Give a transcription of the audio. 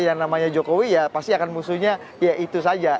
yang namanya jokowi ya pasti akan musuhnya ya itu saja